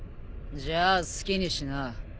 じゃあ好きにしな。